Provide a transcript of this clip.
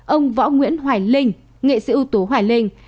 ông võ nguyễn hoài linh nghệ sĩ ưu tú hoài linh